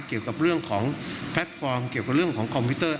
เกี่ยวกับเรื่องของแพลตฟอร์มเกี่ยวกับเรื่องของคอมพิวเตอร์